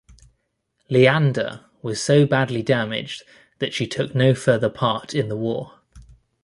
"Leander" was so badly damaged that she took no further part in the war.